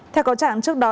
theo có trạng trước đó